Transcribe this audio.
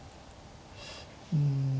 うん。